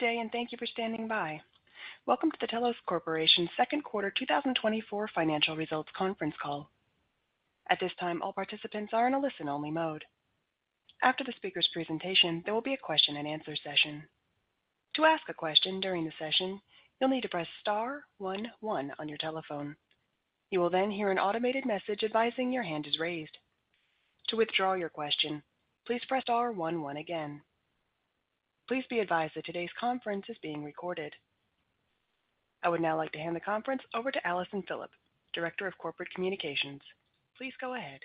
Good day, and thank you for standing by. Welcome to the Telos Corporation's second quarter 2024 financial results conference call. At this time, all participants are in a listen-only mode. After the speaker's presentation, there will be a question-and-answer session. To ask a question during the session, you'll need to press star one one on your telephone. You will then hear an automated message advising your hand is raised. To withdraw your question, please press star one one again. Please be advised that today's conference is being recorded. I would now like to hand the conference over to Allison Phillipp, Director of Corporate Communications. Please go ahead.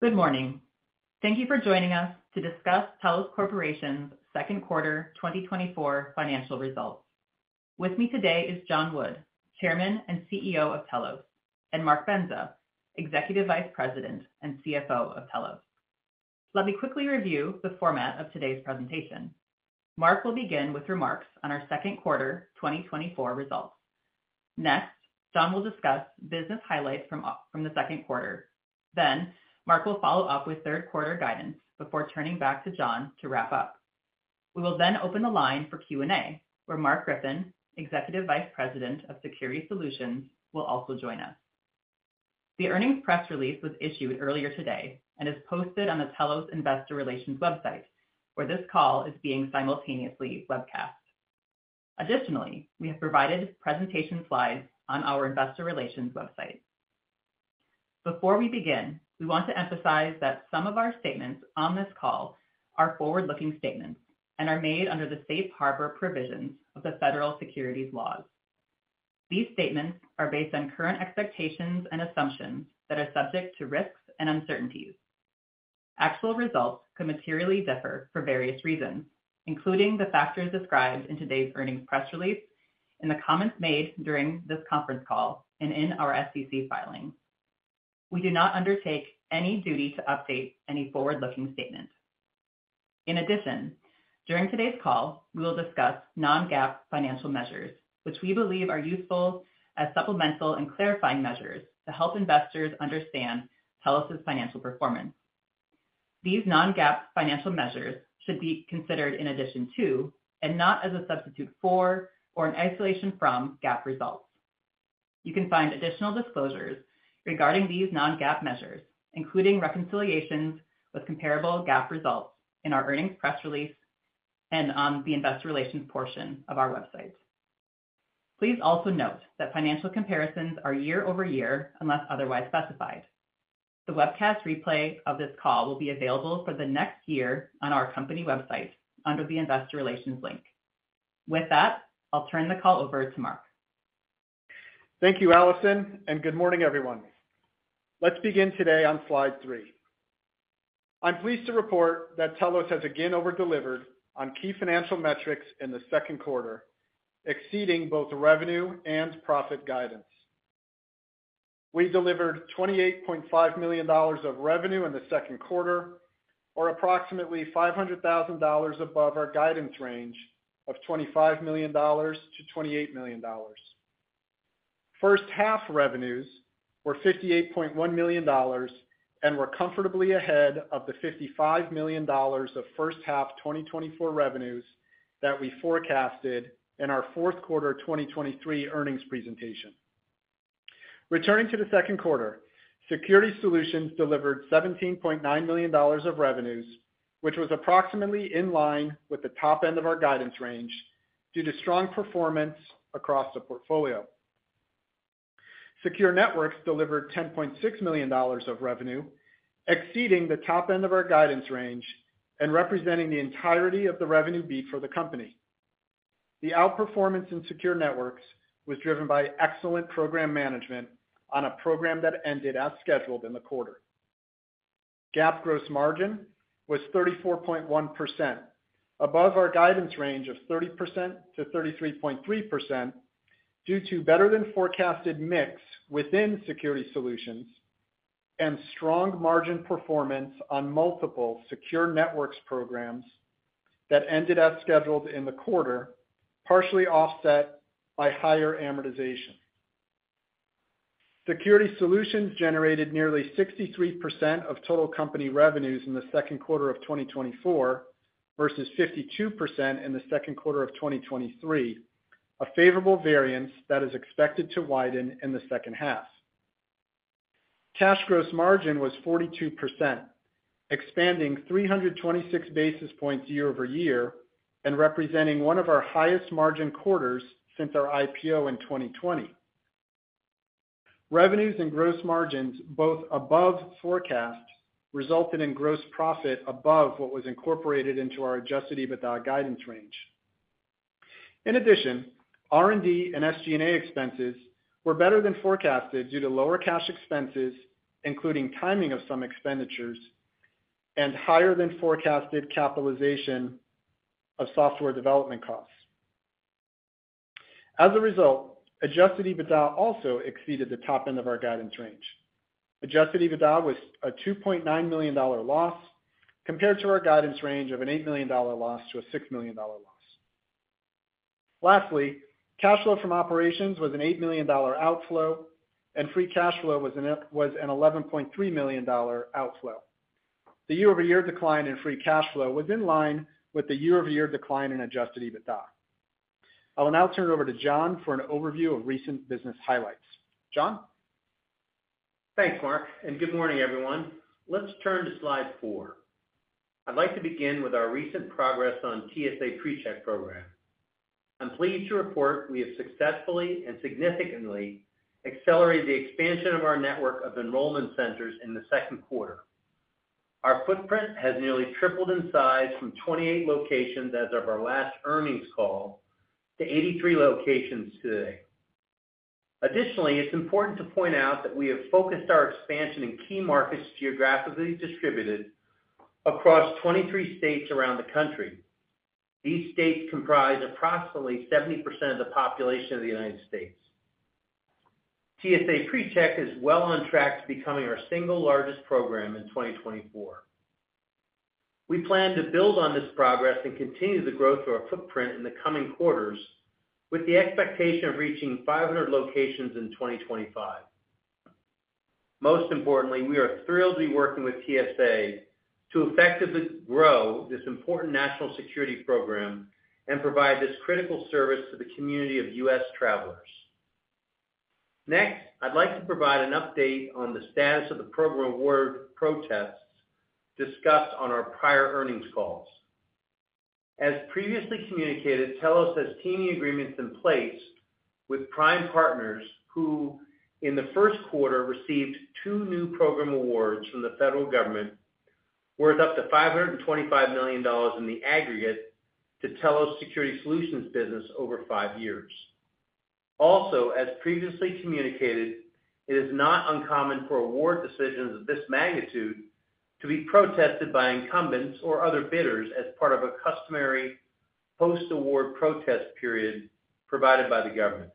Good morning. Thank you for joining us to discuss Telos Corporation's second quarter 2024 financial results. With me today is John Wood, Chairman and CEO of Telos, and Mark Bendza, Executive Vice President and CFO of Telos. Let me quickly review the format of today's presentation. Mark will begin with remarks on our second quarter 2024 results. Next, John will discuss business highlights from the second quarter. Then Mark will follow up with third quarter guidance before turning back to John to wrap up. We will then open the line for Q&A, where Mark Griffin, Executive Vice President of Security Solutions, will also join us. The earnings press release was issued earlier today and is posted on the Telos Investor Relations website, where this call is being simultaneously webcast. Additionally, we have provided presentation slides on our investor relations website. Before we begin, we want to emphasize that some of our statements on this call are forward-looking statements and are made under the safe harbor provisions of the federal securities laws. These statements are based on current expectations and assumptions that are subject to risks and uncertainties. Actual results could materially differ for various reasons, including the factors described in today's earnings press release, in the comments made during this conference call, and in our SEC filing. We do not undertake any duty to update any forward-looking statement. In addition, during today's call, we will discuss non-GAAP financial measures, which we believe are useful as supplemental and clarifying measures to help investors understand Telos's financial performance. These non-GAAP financial measures should be considered in addition to, and not as a substitute for or in isolation from, GAAP results. You can find additional disclosures regarding these non-GAAP measures, including reconciliations with comparable GAAP results, in our earnings press release and on the investor relations portion of our website. Please also note that financial comparisons are year-over-year, unless otherwise specified. The webcast replay of this call will be available for the next year on our company website under the Investor Relations link. With that, I'll turn the call over to Mark. Thank you, Allison, and good morning, everyone. Let's begin today on slide three. I'm pleased to report that Telos has again over-delivered on key financial metrics in the second quarter, exceeding both revenue and profit guidance. We delivered $28.5 million of revenue in the second quarter, or approximately $500,000 above our guidance range of $25 million-$28 million. First half revenues were $58.1 million and were comfortably ahead of the $55 million of first half 2024 revenues that we forecasted in our fourth quarter 2023 earnings presentation. Returning to the second quarter, Security Solutions delivered $17.9 million of revenues, which was approximately in line with the top end of our guidance range due to strong performance across the portfolio. Secure Networks delivered $10.6 million of revenue, exceeding the top end of our guidance range and representing the entirety of the revenue beat for the company. The outperformance in Secure Networks was driven by excellent program management on a program that ended as scheduled in the quarter. GAAP gross margin was 34.1%, above our guidance range of 30%-33.3%, due to better than forecasted mix within Security Solutions and strong margin performance on multiple Secure Networks programs that ended as scheduled in the quarter, partially offset by higher amortization. Security Solutions generated nearly 63% of total company revenues in the second quarter of 2024 versus 52% in the second quarter of 2023, a favorable variance that is expected to widen in the second half. Cash gross margin was 42%, expanding 326 basis points year-over-year and representing one of our highest margin quarters since our IPO in 2020. Revenues and gross margins, both above forecasts, resulted in gross profit above what was incorporated into our Adjusted EBITDA guidance range. In addition, R&D and SG&A expenses were better than forecasted due to lower cash expenses, including timing of some expenditures and higher than forecasted capitalization of software development costs. As a result, Adjusted EBITDA also exceeded the top end of our guidance range. Adjusted EBITDA was a $2.9 million loss, compared to our guidance range of an $8 million loss to a $6 million loss. Lastly, cash flow from operations was an $8 million outflow, and free cash flow was an 11.3 million dollar outflow. The year-over-year decline in free cash flow was in line with the year-over-year decline in Adjusted EBITDA. I will now turn it over to John for an overview of recent business highlights. John? Thanks, Mark, and good morning, everyone. Let's turn to slide 4. I'd like to begin with our recent progress on TSA PreCheck program. I'm pleased to report we have successfully and significantly accelerated the expansion of our network of enrollment centers in the second quarter. Our footprint has nearly tripled in size from 28 locations as of our last earnings call, to 83 locations today. Additionally, it's important to point out that we have focused our expansion in key markets geographically distributed across 23 states around the country. These states comprise approximately 70% of the population of the United States. TSA PreCheck is well on track to becoming our single largest program in 2024. We plan to build on this progress and continue the growth of our footprint in the coming quarters, with the expectation of reaching 500 locations in 2025. Most importantly, we are thrilled to be working with TSA to effectively grow this important national security program and provide this critical service to the community of U.S. travelers. Next, I'd like to provide an update on the status of the program award protests discussed on our prior earnings calls. As previously communicated, Telos has teaming agreements in place with prime partners, who, in the first quarter, received 2 new program awards from the federal government, worth up to $525 million in the aggregate to Telos Security Solutions business over 5 years. Also, as previously communicated, it is not uncommon for award decisions of this magnitude to be protested by incumbents or other bidders as part of a customary post-award protest period provided by the government,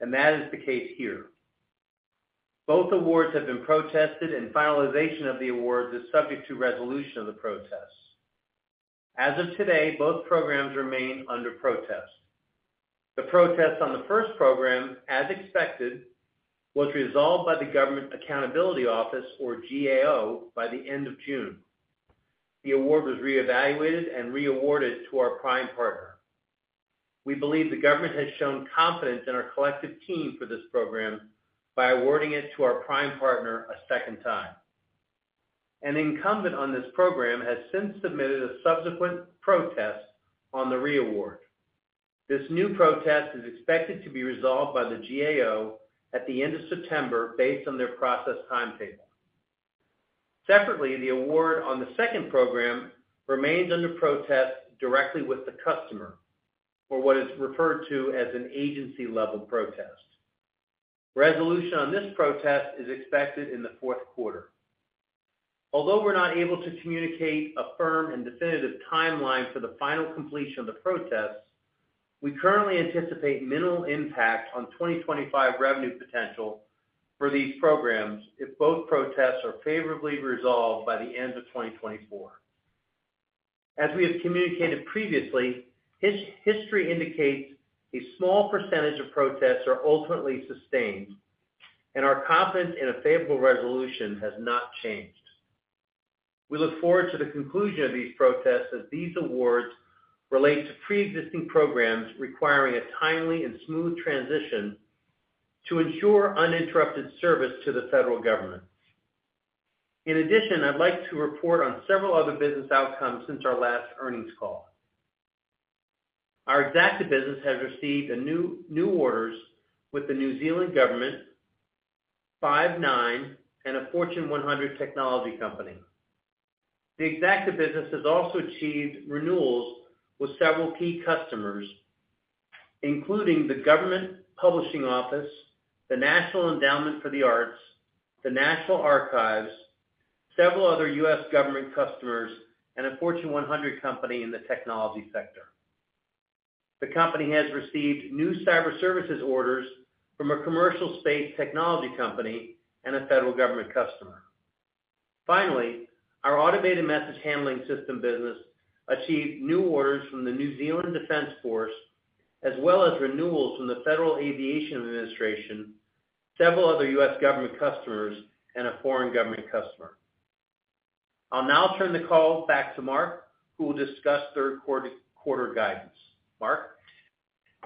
and that is the case here. Both awards have been protested, and finalization of the awards is subject to resolution of the protests. As of today, both programs remain under protest. The protests on the first program, as expected, was resolved by the Government Accountability Office, or GAO, by the end of June. The award was reevaluated and re-awarded to our prime partner. We believe the government has shown confidence in our collective team for this program by awarding it to our prime partner a second time. An incumbent on this program has since submitted a subsequent protest on the re-award. This new protest is expected to be resolved by the GAO at the end of September, based on their process timetable. Separately, the award on the second program remains under protest directly with the customer, or what is referred to as an agency-level protest. Resolution on this protest is expected in the fourth quarter. Although we're not able to communicate a firm and definitive timeline for the final completion of the protests, we currently anticipate minimal impact on 2025 revenue potential for these programs if both protests are favorably resolved by the end of 2024. As we have communicated previously, history indicates a small percentage of protests are ultimately sustained, and our confidence in a favorable resolution has not changed. We look forward to the conclusion of these protests, as these awards relate to pre-existing programs requiring a timely and smooth transition to ensure uninterrupted service to the federal government. In addition, I'd like to report on several other business outcomes since our last earnings call. Our Xacta business has received new orders with the New Zealand government, Five9, and a Fortune 100 technology company. The Xacta business has also achieved renewals with several key customers, including the Government Publishing Office, the National Endowment for the Arts, the National Archives, several other U.S. government customers, and a Fortune 100 company in the technology sector. The company has received new cyber services orders from a commercial space technology company and a federal government customer. Finally, our Automated Message Handling System business achieved new orders from the New Zealand Defense Force, as well as renewals from the Federal Aviation Administration, several other U.S. government customers, and a foreign government customer. I'll now turn the call back to Mark, who will discuss third quarter, quarter guidance. Mark?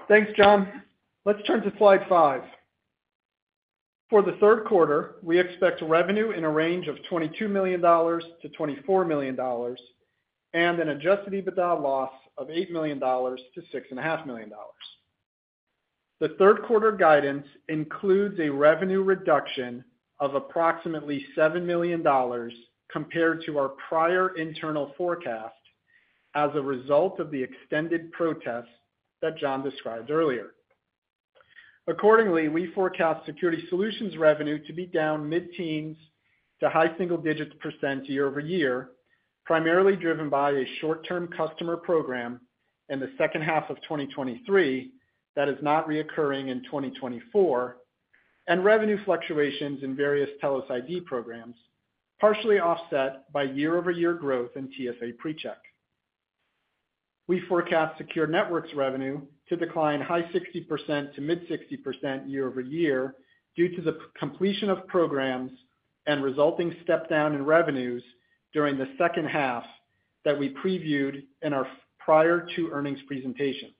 Thanks, John. Let's turn to slide five. For the third quarter, we expect revenue in a range of $22 million-$24 million and an Adjusted EBITDA loss of $8 million-$6.5 million. The third quarter guidance includes a revenue reduction of approximately $7 million compared to our prior internal forecast as a result of the extended protests that John described earlier. Accordingly, we forecast Security Solutions revenue to be down mid-teens to high single digits percent year-over-year, primarily driven by a short-term customer program in the second half of 2023 that is not recurring in 2024.... and revenue fluctuations in various Telos ID programs, partially offset by year-over-year growth in TSA PreCheck. We forecast Secure Networks revenue to decline high 60% to mid 60% year-over-year, due to the completion of programs and resulting step down in revenues during the second half that we previewed in our prior two earnings presentations.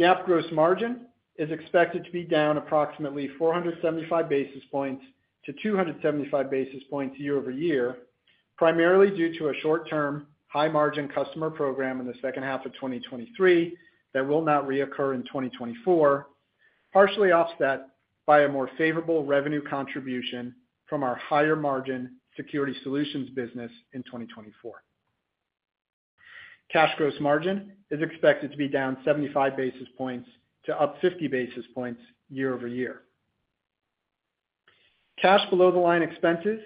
GAAP gross margin is expected to be down approximately 475 basis points to 275 basis points year-over-year, primarily due to a short-term, high-margin customer program in the second half of 2023 that will not reoccur in 2024, partially offset by a more favorable revenue contribution from our higher margin Security Solutions business in 2024. Cash gross margin is expected to be down 75 basis points to up 50 basis points year-over-year. Cash below the line expenses,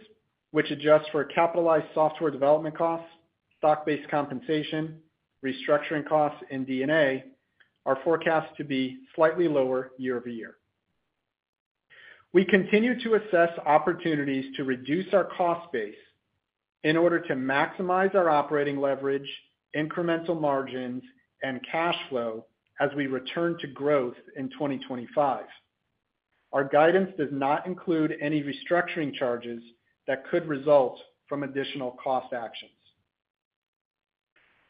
which adjust for capitalized software development costs, stock-based compensation, restructuring costs, and D&A, are forecast to be slightly lower year-over-year. We continue to assess opportunities to reduce our cost base in order to maximize our operating leverage, incremental margins, and cash flow as we return to growth in 2025. Our guidance does not include any restructuring charges that could result from additional cost actions.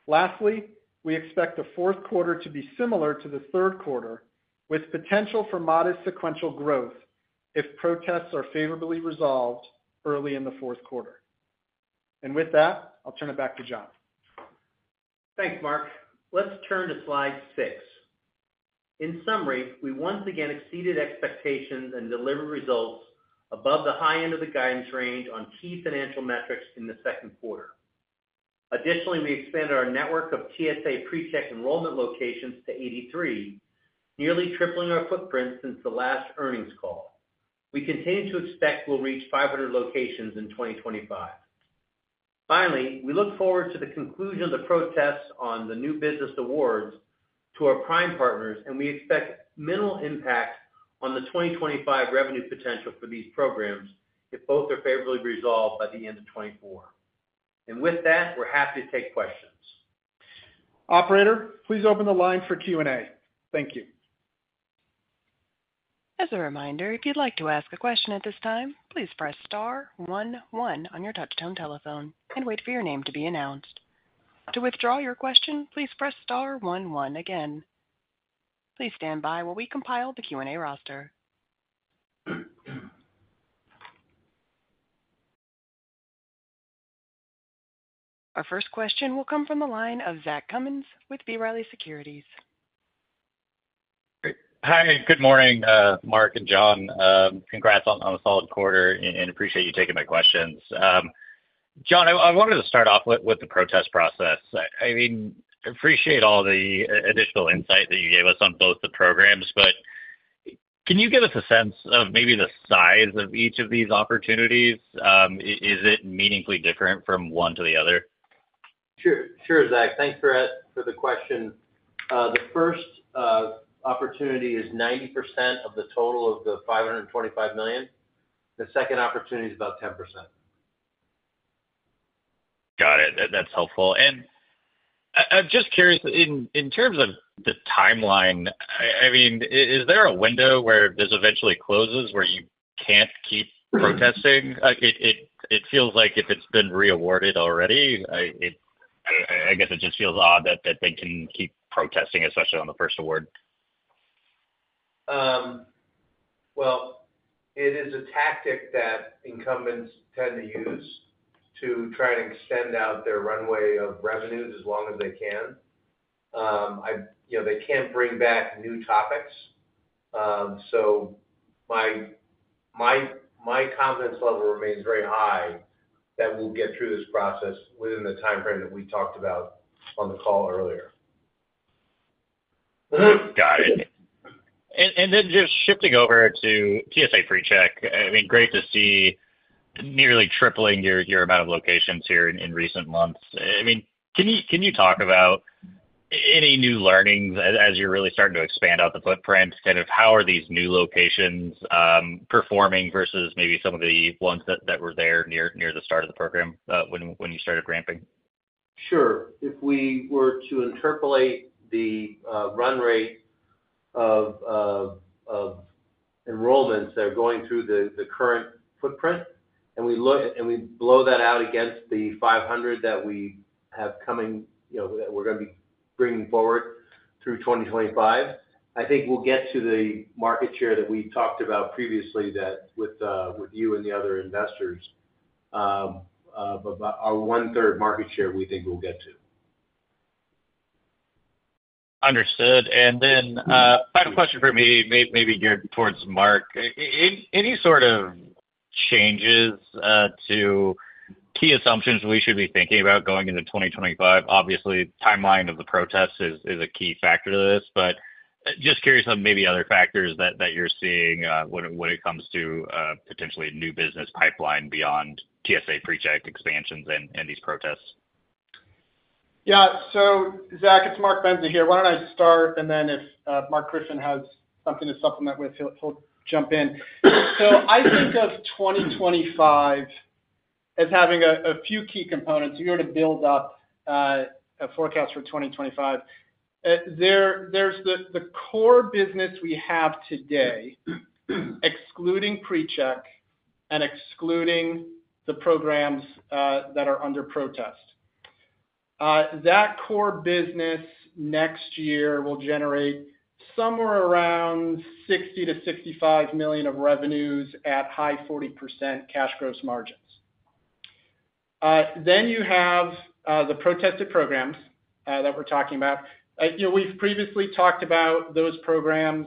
Lastly, we expect the fourth quarter to be similar to the third quarter, with potential for modest sequential growth if protests are favorably resolved early in the fourth quarter. With that, I'll turn it back to John. Thanks, Mark. Let's turn to slide 6. In summary, we once again exceeded expectations and delivered results above the high end of the guidance range on key financial metrics in the second quarter. Additionally, we expanded our network of TSA PreCheck enrollment locations to 83, nearly tripling our footprint since the last earnings call. We continue to expect we'll reach 500 locations in 2025. Finally, we look forward to the conclusion of the protests on the new business awards to our prime partners, and we expect minimal impact on the 2025 revenue potential for these programs if both are favorably resolved by the end of 2024. With that, we're happy to take questions. Operator, please open the line for Q&A. Thank you. As a reminder, if you'd like to ask a question at this time, please press star one one on your touchtone telephone and wait for your name to be announced. To withdraw your question, please press star one one again. Please stand by while we compile the Q&A roster. Our first question will come from the line of Zach Cummins with B. Riley Securities. Great. Hi, good morning, Mark and John. Congrats on a solid quarter and appreciate you taking my questions. John, I wanted to start off with the protest process. I mean, appreciate all the additional insight that you gave us on both the programs, but can you give us a sense of maybe the size of each of these opportunities? Is it meaningfully different from one to the other? Sure. Sure, Zach, thanks for the question. The first opportunity is 90% of the total of $525 million. The second opportunity is about 10%. Got it. That's helpful. And I'm just curious, in terms of the timeline, I mean, is there a window where this eventually closes, where you can't keep protesting? Like, it feels like if it's been re-awarded already, I guess it just feels odd that they can keep protesting, especially on the first award. Well, it is a tactic that incumbents tend to use to try to extend out their runway of revenues as long as they can. You know, they can't bring back new topics. So my confidence level remains very high that we'll get through this process within the time frame that we talked about on the call earlier. Got it. And then just shifting over to TSA PreCheck, I mean, great to see nearly tripling your amount of locations here in recent months. I mean, can you talk about any new learnings as you're really starting to expand out the footprint, kind of how are these new locations performing versus maybe some of the ones that were there near the start of the program, when you started ramping? Sure. If we were to interpolate the run rate of enrollments that are going through the current footprint, and we look and we blow that out against the 500 that we have coming, you know, that we're gonna be bringing forward through 2025, I think we'll get to the market share that we talked about previously, that with you and the other investors, of about our 1/3 market share we think we'll get to. Understood. Then, final question for me, maybe geared towards Mark. Any sort of changes to key assumptions we should be thinking about going into 2025? Obviously, timeline of the protests is a key factor to this, but just curious on maybe other factors that you're seeing when it comes to potentially new business pipeline beyond TSA PreCheck expansions and these protests. Yeah. So Zach, it's Mark Bendza here. Why don't I start, and then if Mark Griffin has something to supplement with, he'll jump in. So I think of 2025 as having a few key components. If you were to build up a forecast for 2025, there, there's the core business we have today, excluding PreCheck and excluding the programs that are under protest. That core business next year will generate somewhere around $60 million-$65 million of revenues at high 40% cash gross margins. Then you have the protested programs that we're talking about. You know, we've previously talked about those programs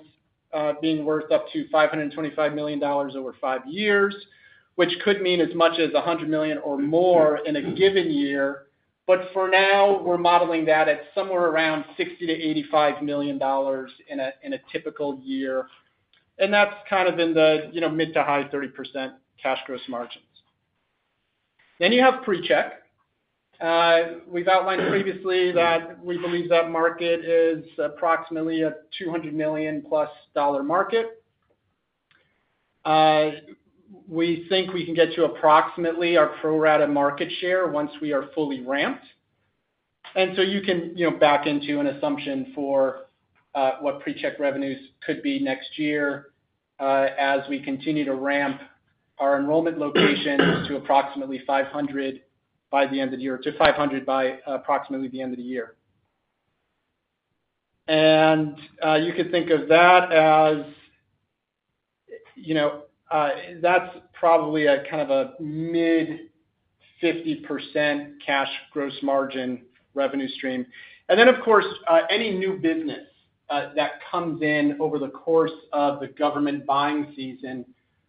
being worth up to $525 million over 5 years, which could mean as much as $100 million or more in a given year. But for now, we're modeling that at somewhere around $60 million-$85 million in a typical year, and that's kind of in the, you know, mid- to high 30% cash gross margins. Then you have PreCheck. We've outlined previously that we believe that market is approximately a $200+ million market. We think we can get to approximately our pro rata market share once we are fully ramped. And so you can, you know, back into an assumption for what PreCheck revenues could be next year, as we continue to ramp our enrollment locations to approximately 500 by the end of the year- to 500 by approximately the end of the year. And you could think of that as, you know, that's probably a kind of a mid 50% cash gross margin revenue stream. And then, of course, any new business that comes in over the course of the government buying season,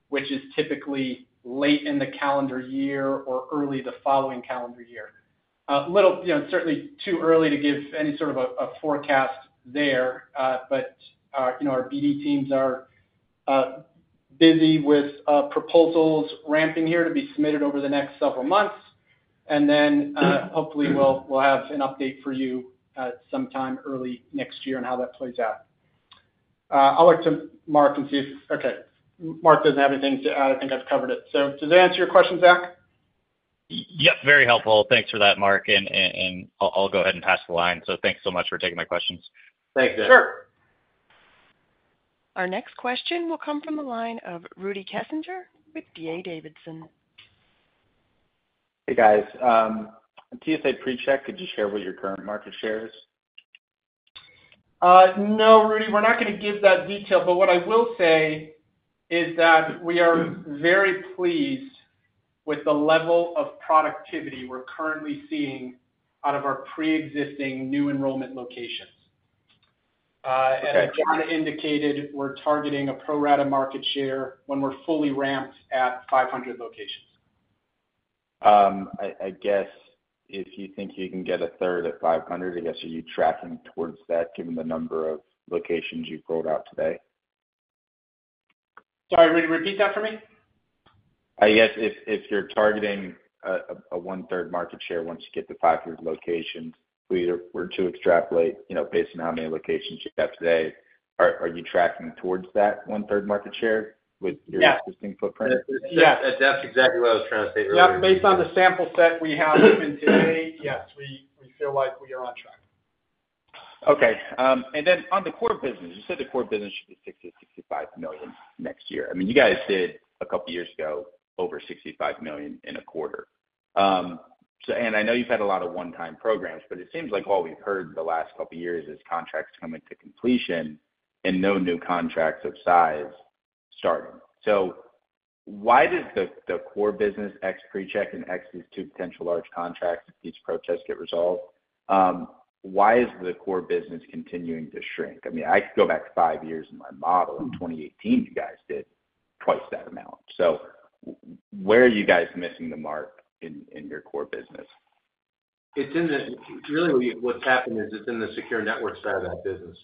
which is typically late in the calendar year or early the following calendar year. You know, certainly too early to give any sort of a forecast there, but, you know, our BD teams are busy with proposals ramping here to be submitted over the next several months. And then, hopefully, we'll have an update for you at some time early next year on how that plays out. I'll look to Mark and see if. Okay, Mark doesn't have anything to add. I think I've covered it. So does that answer your question, Zach? Yep, very helpful. Thanks for that, Mark, and I'll go ahead and pass the line. So thanks so much for taking my questions. Thanks, Zach. Sure. Our next question will come from the line of Rudy Kessinger with D.A. Davidson. Hey, guys. TSA PreCheck, could you share what your current market share is? No, Rudy, we're not going to give that detail, but what I will say is that we are very pleased with the level of productivity we're currently seeing out of our pre-existing new enrollment locations. Okay. As John indicated, we're targeting a pro rata market share when we're fully ramped at 500 locations. I guess if you think you can get a third at 500, I guess, are you tracking towards that, given the number of locations you've rolled out today? Sorry, Rudy, repeat that for me? I guess if you're targeting a one-third market share once you get to 500 locations, we were to extrapolate, you know, based on how many locations you have today, are you tracking towards that one-third market share with your- Yeah - existing footprint? That, that's exactly what I was trying to say earlier. Yep, based on the sample set we have even today, yes, we feel like we are on track. Okay. And then on the core business, you said the core business should be $60 million-$65 million next year. I mean, you guys did a couple of years ago, over $65 million in a quarter. So, and I know you've had a lot of one-time programs, but it seems like all we've heard the last couple of years is contracts coming to completion and no new contracts of size starting. So why does the core business ex PreCheck and ex these two potential large contracts, if these protests get resolved, why is the core business continuing to shrink? I mean, I could go back five years in my model. In 2018, you guys did twice that amount. So where are you guys missing the mark in your core business? Really, what's happened is it's in the Secure Networks side of that business.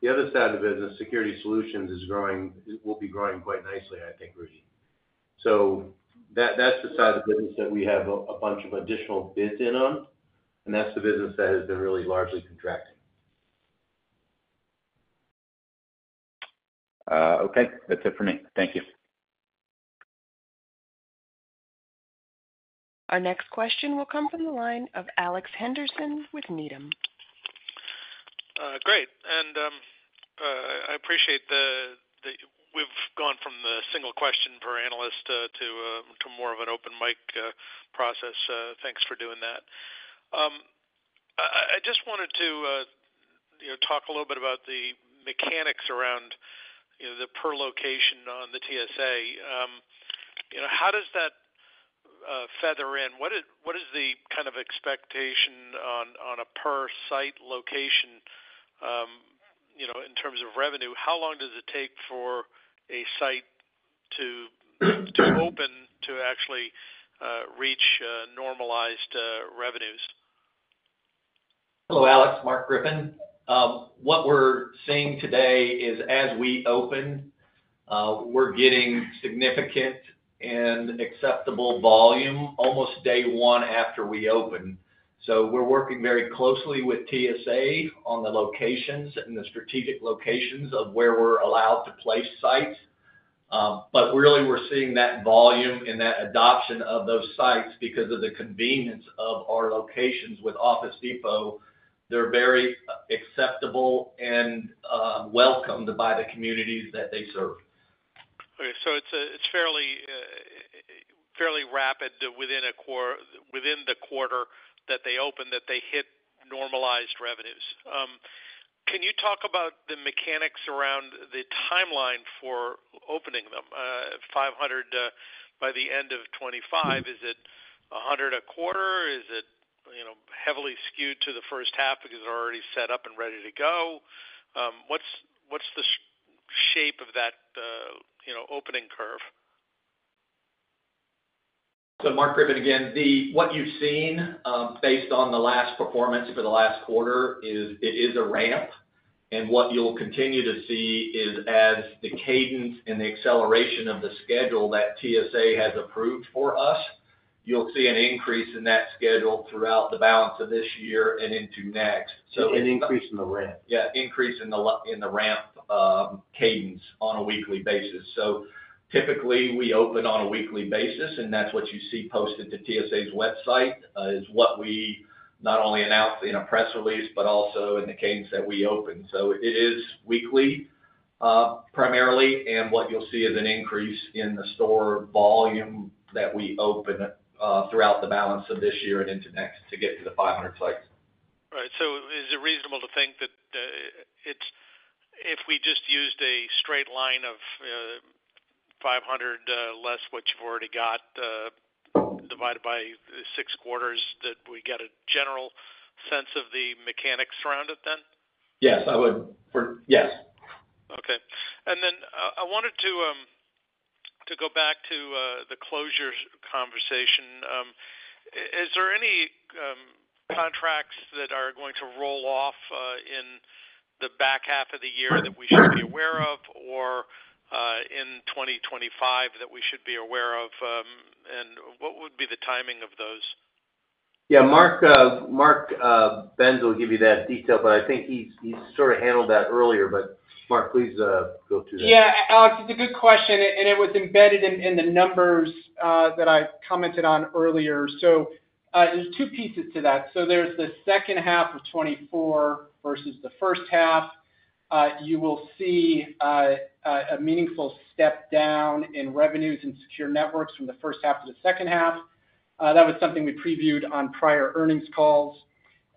The other side of the business, Security Solutions, is growing, will be growing quite nicely, I think, Rudy. So that's the side of the business that we have a bunch of additional bids in on, and that's the business that has been really largely contracting. Okay. That's it for me. Thank you. Our next question will come from the line of Alex Henderson with Needham. Great. And, we've gone from the single question per analyst, to, to more of an open mic, process. Thanks for doing that. I just wanted to, you know, talk a little bit about the mechanics around, you know, the per location on the TSA. You know, how does that, feather in? What is, what is the kind of expectation on, on a per site location, you know, in terms of revenue? How long does it take for a site to, to open, to actually, reach, normalized, revenues? Hello, Alex. Mark Griffin. What we're seeing today is as we open-... we're getting significant and acceptable volume almost day one after we open. So we're working very closely with TSA on the locations and the strategic locations of where we're allowed to place sites. But really, we're seeing that volume and that adoption of those sites because of the convenience of our locations with Office Depot, they're very acceptable and welcomed by the communities that they serve. Okay, so it's fairly rapid within the quarter that they open, that they hit normalized revenues. Can you talk about the mechanics around the timeline for opening them at 500 by the end of 2025? Is it 100 a quarter? Is it, you know, heavily skewed to the first half because they're already set up and ready to go? What's the shape of that, you know, opening curve? So Mark Griffin again, what you've seen, based on the last performance for the last quarter, is it is a ramp, and what you'll continue to see is as the cadence and the acceleration of the schedule that TSA has approved for us, you'll see an increase in that schedule throughout the balance of this year and into next. So- An increase in the ramp? Yeah, increase in the ramp cadence on a weekly basis. So typically, we open on a weekly basis, and that's what you see posted to TSA's website, is what we not only announce in a press release, but also in the cadence that we open. So it is weekly, primarily, and what you'll see is an increase in the store volume that we open throughout the balance of this year and into next to get to the 500 sites. Right. So is it reasonable to think that it's if we just used a straight line of 500 less what you've already got, divided by 6 quarters, that we get a general sense of the mechanics around it then? Yes, I would. Yes. Okay. Then I wanted to go back to the closures conversation. Is there any contracts that are going to roll off in the back half of the year that we should be aware of, or in 2025 that we should be aware of? What would be the timing of those? Yeah, Mark, Mark Bendza will give you that detail, but I think he sort of handled that earlier. But Mark, please, go to that. Yeah, Alex, it's a good question, and it was embedded in the numbers that I commented on earlier. So, there's two pieces to that. So there's the second half of 2024 versus the first half. You will see a meaningful step down in revenues and Secure Networks from the first half to the second half. That was something we previewed on prior earnings calls.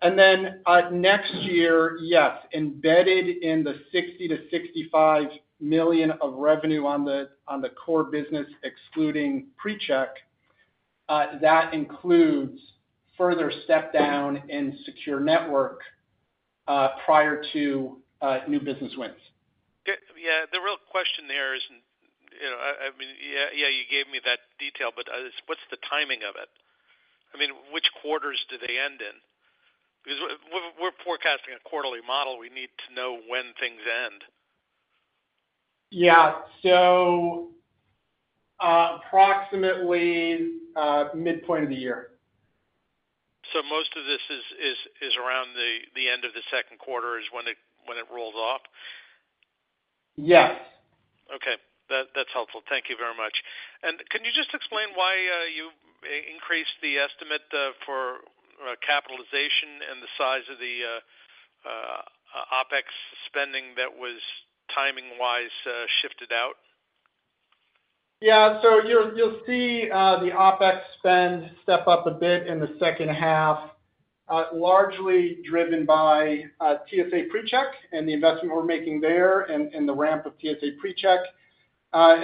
And then, next year, yes, embedded in the $60 million-$65 million of revenue on the core business, excluding PreCheck, that includes further step down in Secure Networks prior to new business wins. Yeah. The real question there is, you know, I mean, you gave me that detail, but what's the timing of it? I mean, which quarters do they end in? Because we're forecasting a quarterly model, we need to know when things end. Yeah. So, approximately, midpoint of the year. So most of this is around the end of the second quarter, when it rolls off? Yes. Okay. That, that's helpful. Thank you very much. And can you just explain why you increased the estimate for capitalization and the size of the OpEx spending that was timing-wise shifted out? Yeah, so you'll see the OpEx spend step up a bit in the second half, largely driven by TSA PreCheck and the investment we're making there and the ramp of TSA PreCheck,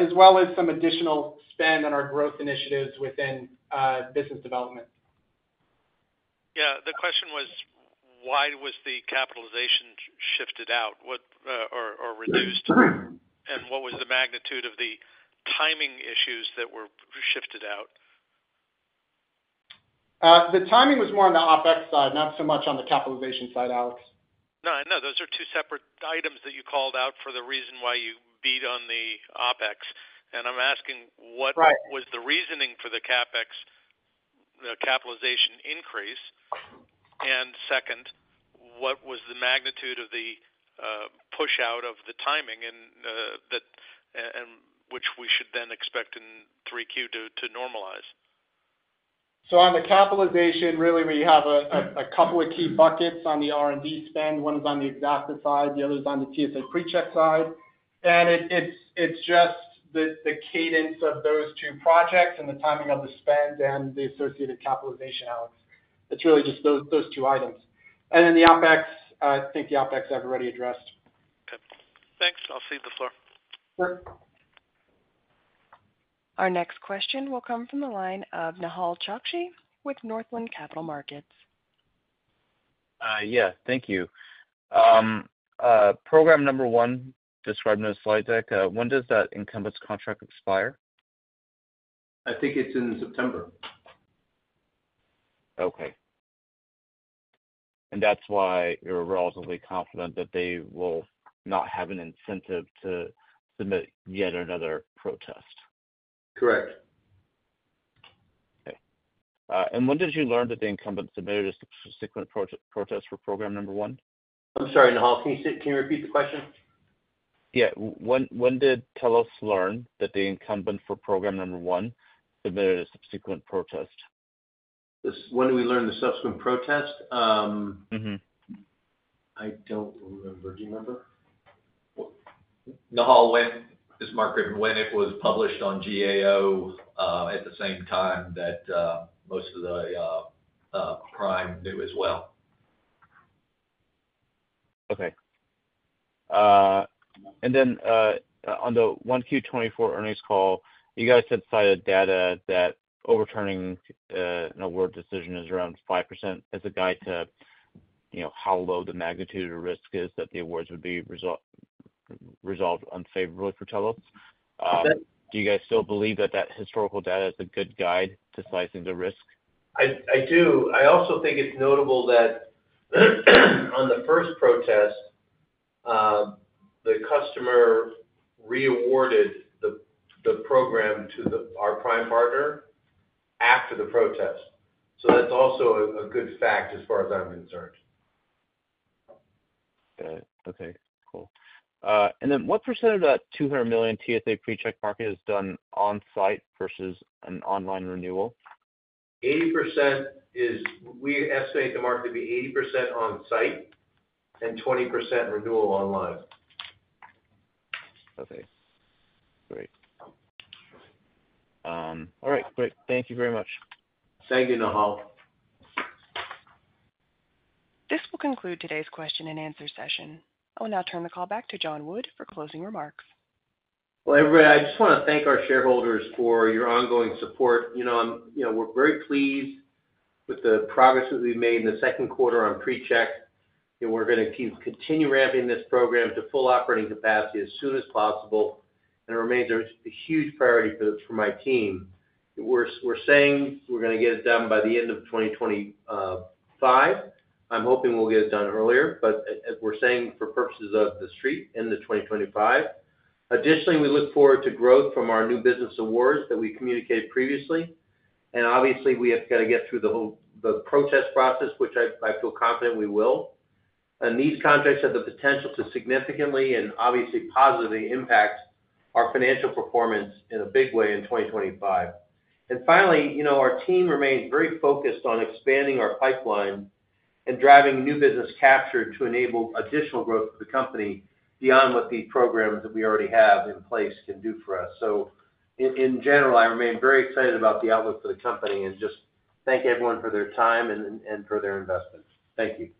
as well as some additional spend on our growth initiatives within business development. Yeah, the question was, why was the capitalization shifted out? What, or reduced? And what was the magnitude of the timing issues that were shifted out? The timing was more on the OpEx side, not so much on the capitalization side, Alex. No, I know those are two separate items that you called out for the reason why you beat on the OpEx. I'm asking- Right. What was the reasoning for the CapEx capitalization increase? And second, what was the magnitude of the push out of the timing and that and which we should then expect in 3Q to normalize? So on the capitalization, really, we have a couple of key buckets on the R&D spend. One is on the Xacta side, the other is on the TSA PreCheck side. And it's just the cadence of those two projects and the timing of the spend and the associated capitalization, Alex. It's really just those two items. And then the OpEx, I think the OpEx I've already addressed. Okay, thanks. I'll cede the floor. Sure. Our next question will come from the line of Nehal Chokshi with Northland Capital Markets. Yeah, thank you. Program number 1, described in the slide deck, when does that incumbent's contract expire? I think it's in September. Okay. That's why you're relatively confident that they will not have an incentive to submit yet another protest? Correct. Okay. When did you learn that the incumbent submitted a subsequent protest for program number one? I'm sorry, Nehal, can you repeat the question? Yeah. When, when did Telos learn that the incumbent for program number one submitted a subsequent protest? When did we learn the subsequent protest? Mm-hmm. I don't remember. Do you remember? Nehal, when. This is Mark Griffin. When it was published on GAO, at the same time that prime knew as well. Okay. And then, on the 1Q 2024 earnings call, you guys had cited data that overturning an award decision is around 5% as a guide to, you know, how low the magnitude or risk is that the awards would be resolved unfavorably for Telos. Okay. Do you guys still believe that that historical data is a good guide to slicing the risk? I, I do. I also think it's notable that, on the first protest, the customer re-awarded the program to our Prime Partner after the protest. So that's also a good fact as far as I'm concerned. Got it. Okay, cool. And then what percent of that $200 million TSA PreCheck market is done on-site versus an online renewal? 80% is... We estimate the market to be 80% on-site and 20% renewal online. Okay, great. All right, great. Thank you very much. Thank you, Nehal. This will conclude today's question and answer session. I will now turn the call back to John Wood for closing remarks. Well, everybody, I just wanna thank our shareholders for your ongoing support. You know, I'm, you know, we're very pleased with the progress that we've made in the second quarter on PreCheck, and we're gonna keep continue ramping this program to full operating capacity as soon as possible, and it remains a huge priority for the, for my team. We're, we're saying we're gonna get it done by the end of 2025. I'm hoping we'll get it done earlier, but as we're saying, for purposes of the street, end of 2025. Additionally, we look forward to growth from our new business awards that we communicated previously, and obviously, we have got to get through the whole, the protest process, which I, I feel confident we will. These contracts have the potential to significantly and obviously positively impact our financial performance in a big way in 2025. Finally, you know, our team remains very focused on expanding our pipeline and driving new business capture to enable additional growth for the company beyond what the programs that we already have in place can do for us. In general, I remain very excited about the outlook for the company and just thank everyone for their time and for their investment. Thank you.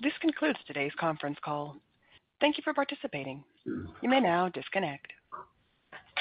This concludes today's conference call. Thank you for participating. You may now disconnect.